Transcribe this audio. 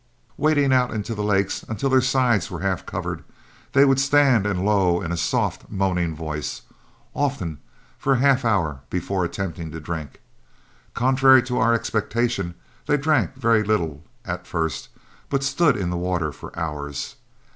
Wading out into the lakes until their sides were half covered, they would stand and low in a soft moaning voice, often for half an hour before attempting to drink. Contrary to our expectation, they drank very little at first, but stood in the water for hours.